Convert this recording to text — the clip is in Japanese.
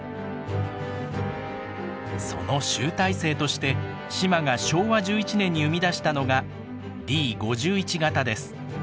その集大成として島が昭和１１年に生み出したのがＤ５１形です。